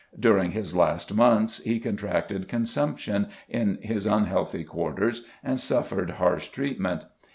During his last months he contracted consumption in his unhealthy quarters and suffered harsh treatment.